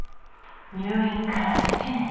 入院から７年。